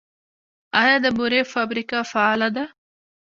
آیا د بورې فابریکه فعاله ده؟